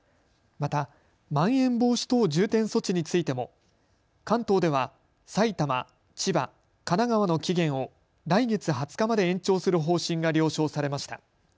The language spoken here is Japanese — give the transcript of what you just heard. また、まん延防止等重点措置についても関東では埼玉、千葉、神奈川の期限を来月２０日まで延長する方針が了承されました。